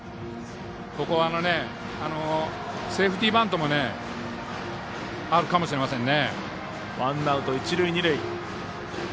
ここは、セーフティーバントもあるかもしれませんね。